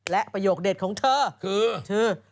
และประโยคเด็ดของเธอคือชื่อ